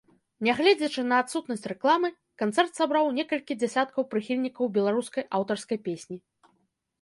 Нягледзячы на адсутнасць рэкламы, канцэрт сабраў некалькі дзесяткаў прыхільнікаў беларускай аўтарскай песні.